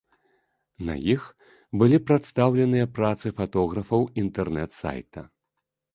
На іх былі прадстаўленыя працы фатографаў інтэрнэт-сайта.